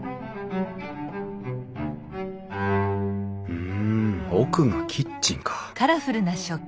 うん奥がキッチンか。